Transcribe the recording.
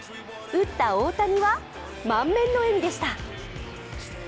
打った大谷は、満面の笑みでした。